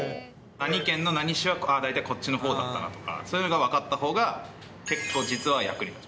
何県の何市は大体こっちのほうだったなとか、そういうのが分かったほうが、結構実は役に立つ。